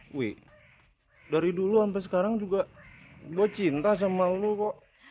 gue dari dulu sampai sekarang juga gue cinta sama lo kok